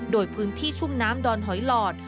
โดยพื้นที่ชุ่มน้ำดอนหอยหลอด